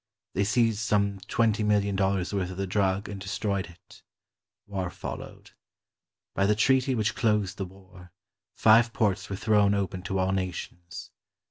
They seized some twenty million dollars' worth of the drug and destroyed it. War foUow'ed. By the treaty which closed the war, five ports were thrown open to all nations.